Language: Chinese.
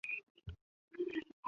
在建设当时成巽阁名为巽御殿。